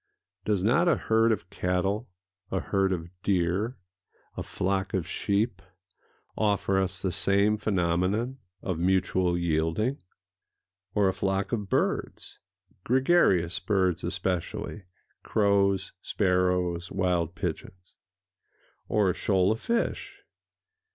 Does not a herd of cattle, a herd of deer, a flock of sheep, offer us the same phenomenon of mutual yielding? Or a flock of birds—gregarious birds especially: crows, sparrows, wild pigeons? Or a shoal of fish?